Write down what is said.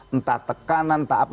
entah tekanan entah apa